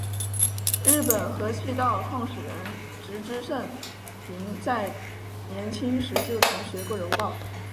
日本合气道创始人植芝盛平在年轻时就曾学过柔道。